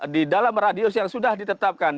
di dalam radius yang sudah ditetapkan